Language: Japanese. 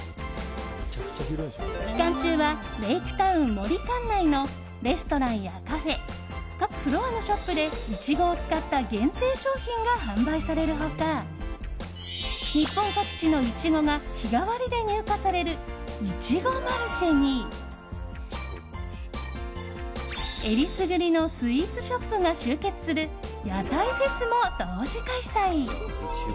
期間中は、レイクタウンｍｏｒｉ館内のレストランやカフェ各フロアのショップでイチゴを使った限定商品が販売される他日本各地のイチゴが日替わりで入荷されるいちごマルシェにえりすぐりのスイーツショップが集結する屋台フェスも同時開催。